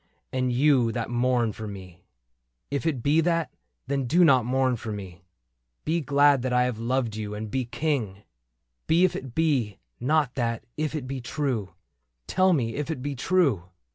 And you that mourn for me ?^^ If it be that, then do not mourn for me ; Be glad that I have loved you, and be King« But if it be not that — if it be true ... Tell me if it be true